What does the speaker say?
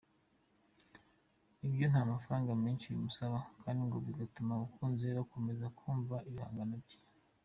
Ibyo nta mafaranga menshi bimusaba kandi ngo bigatuma abakunzi be bakomeza kumva ibihangano bye.